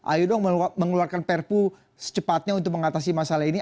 ayo dong mengeluarkan perpu secepatnya untuk mengatasi masalah ini